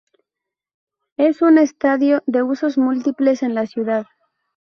Es un estadio de usos múltiples en la ciudad.